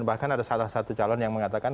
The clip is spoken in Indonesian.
bahkan ada salah satu calon yang mengatakan